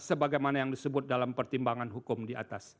sebagaimana yang disebut dalam pertimbangan hukum di atas